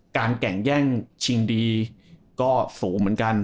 แก่งแย่งชิงดีก็สูงเหมือนกัน